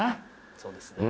そうですね。